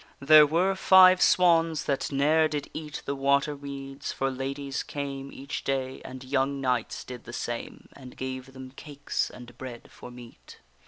There were five swans that ne'er did eat The water weeds, for ladies came Each day, and young knights did the same, And gave them cakes and bread for meat.